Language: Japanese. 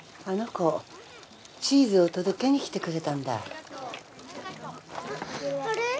あの子チーズを届けに来てくれたんだあれ？